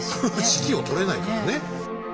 指揮を執れないからね。